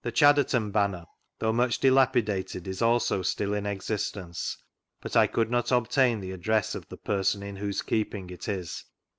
The Chadderton Banner, though much dilapidated, is also still in exis tence, but 1 could not obtain the address of the person in whose keeping it is.